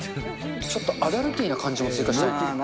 ちょっとアダルティーな感じも追加したい。